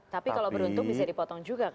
tapi kalau beruntung bisa dipotong juga kan